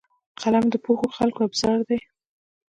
قلم د پوهو خلکو ابزار دی